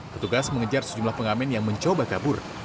petugas mengejar sejumlah pengamen yang mencoba kabur